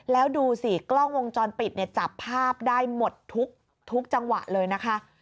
แล้วดูสิกล้องวงจรปิดเนี่ยจับภาพได้หมดทุกจังหวะเลยนะคะ